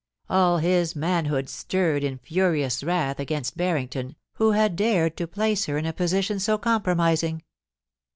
All his manhood stirred in furious wrath against Barrington, who had dared to • place her in a position so compromising.